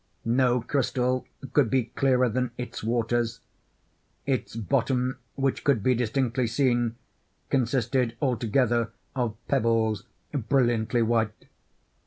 No crystal could be clearer than its waters. Its bottom, which could be distinctly seen, consisted altogether, of pebbles brilliantly white.